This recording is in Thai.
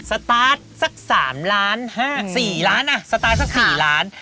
สัก๓ล้าน๔ล้านสตาร์ทสัก๔ล้าน